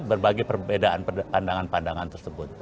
berbagai perbedaan pandangan pandangan tersebut